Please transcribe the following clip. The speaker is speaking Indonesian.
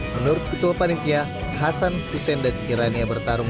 menurut ketua panitia hasan hussein dan kirania bertarung